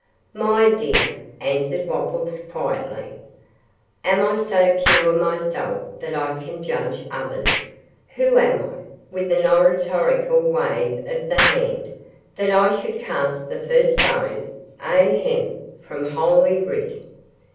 'My dear,' answered Wopples, quietly, 'am I so pure myself that I can judge others? Who am I,' with an oratorical wave of the hand, 'that I should cast the first stone? ahem! from Holy Writ.